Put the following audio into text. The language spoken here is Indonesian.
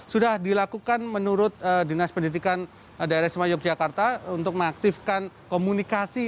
sudah dilakukan menurut dinas pendidikan daerah isma yogyakarta untuk mengaktifkan komunikasi